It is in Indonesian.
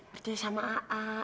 berhenti sama aa